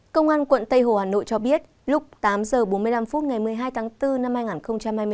công an tp tp hải phòng cho biết lúc tám h bốn mươi năm phút ngày một mươi hai tháng bốn năm hai nghìn hai mươi bốn